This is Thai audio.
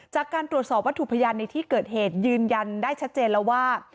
จากการตรวจสอบวัตถุพยานในที่เกิดเหตุยืนยันได้ชัดเจนแล้วว่า